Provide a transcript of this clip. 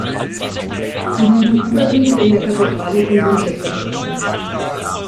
Sie liegen überwiegend in der Kathedrale von Winchester begraben.